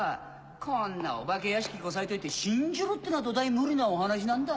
こんなお化け屋敷こさえといて信じろってのがどだい無理なお話なんだ。